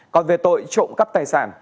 còn về tội trộm cắp tài sản